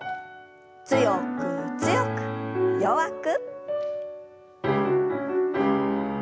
強く強く弱く。